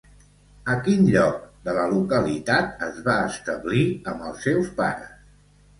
A quin lloc de la localitat es va establir amb els seus pares?